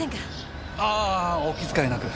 あぁお気遣いなく。